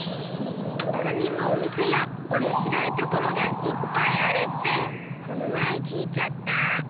ほかにもおみせやおもしろいところがいっぱいあるってこのまえきいちゃった！